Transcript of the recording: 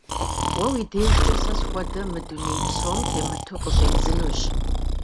Уэ уи дежкӀэ сэ схуэдэ мы дуней псом темыту къыщӀидзынущ.